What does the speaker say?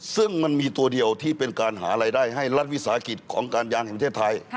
ซึ่งมันมีตัวเดียวที่เป็นการหารายได้ให้รัฐวิสาหกิจของการยางแห่งประเทศไทย